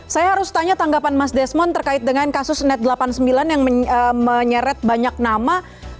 saya harus tanya tanggapan mas desmond terkait dengan kasus net delapan puluh sembilan yang menyeret banyak nama